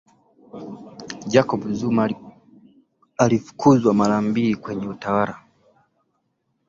jacob zuma alifukuza mara mbili kwenye utawala